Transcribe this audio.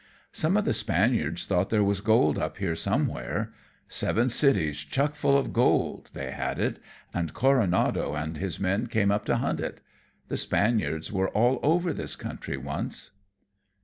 "Some of the Spaniards thought there was gold up here somewhere. Seven cities chuck full of gold, they had it, and Coronado and his men came up to hunt it. The Spaniards were all over this country once."